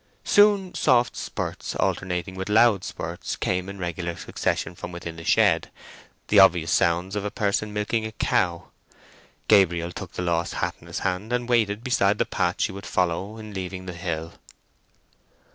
Soon soft spirts alternating with loud spirts came in regular succession from within the shed, the obvious sounds of a person milking a cow. Gabriel took the lost hat in his hand, and waited beside the path she would follow in leaving the hill.